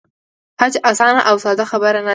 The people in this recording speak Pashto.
حج آسانه او ساده خبره نه ده.